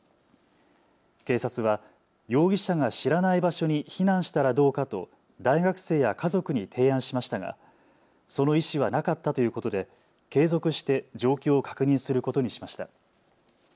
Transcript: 警察は容疑者が知らない場所に避難したらどうかと大学生や家族に提案しましたがその意思はなかったということで継続して状況を確認することにしました。